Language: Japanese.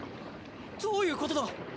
どういうことだ。